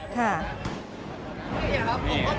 ค่ะ